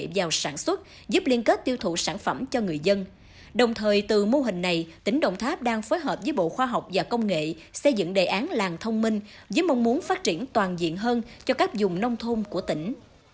đồng thời từ mô hình này tỉnh đồng tháp đang phối hợp với bộ khoa học và công nghệ xây dựng đề án làng thông minh với mong muốn phát triển toàn diện hơn cho các dùng nông thôn của tỉnh